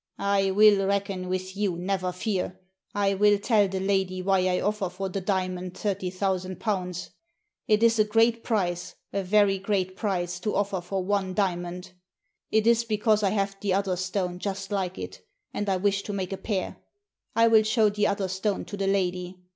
" I will reckon with you, never fear. I m\l tell the lady why I offer for the diamond thirty thousand Digitized by VjOOQIC 2i8 THE SEEN AND THE UNSEEN pounds. It is a great price, a very great price, to offer for one diamond. It is because I have the other stone just like it, and I wish to make a pair. I will show tile other stone to the lady.